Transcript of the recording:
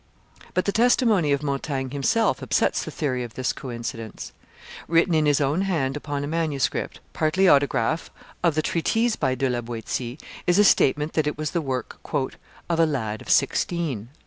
But the testimony of Montaigne himself upsets the theory of this coincidence; written in his own hand upon a manuscript, partly autograph, of the treatise by De la Boetie, is a statement that it was the work "of a lad of sixteen."